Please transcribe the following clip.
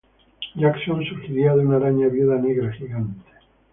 Jackson surgiría de una araña viuda negra gigante.